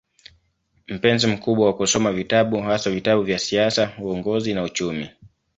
Mpenzi mkubwa wa kusoma vitabu, haswa vitabu vya siasa, uongozi na uchumi.